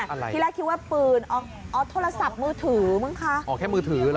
อะไรที่แรกคิดว่าปืนอ๋ออ๋อโทรศัพท์มือถือมั้งคะอ๋อแค่มือถือเหรอ